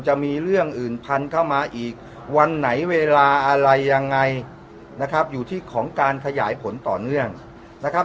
จะมีเรื่องอื่นพันเข้ามาอีกวันไหนเวลาอะไรยังไงนะครับอยู่ที่ของการขยายผลต่อเนื่องนะครับ